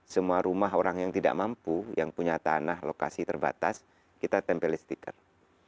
semua rumah orang yang tidak mampu yang punya tanah lokasi terbatas kita tempeli stiker